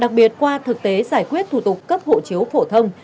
đặc biệt qua thực tế giải quyết thủ tục cấp hộ chiếu phổ thông